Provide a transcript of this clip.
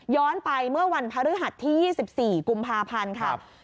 ย้อนไปเมื่อวันพระฤหัสที่๒๔กุมภาพันธ์ครับ